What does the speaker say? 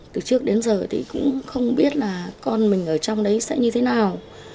từ trước đến giờ thì cũng không biết là con mình ở trong đấy sẽ như thế nào